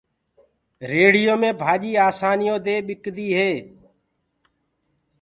ريڙهيو مي ڀآڃيٚ آسآنيٚ يو دي ٻڪديٚ هي۔